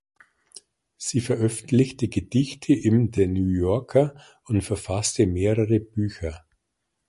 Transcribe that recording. Sie veröffentlichte Gedichte im "The New Yorker" und verfasste mehrere Bücher.